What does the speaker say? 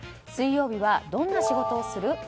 水曜日はどんな仕事をする？